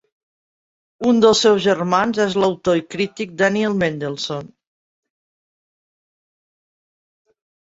Un dels seus germans és l'autor i crític Daniel Mendelsohn.